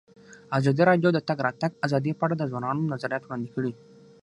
ازادي راډیو د د تګ راتګ ازادي په اړه د ځوانانو نظریات وړاندې کړي.